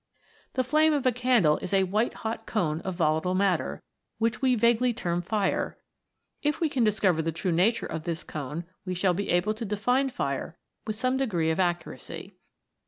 The flame of a'candle is a white hot cone of vola tile matter, which we vaguely term Fire if we can discover the real nature of this cone we shall be able to define Fire with some degree of accuracy.